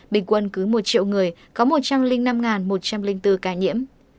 bình quân cứ một triệu người có một trăm linh năm một trăm linh bốn ca nhiễm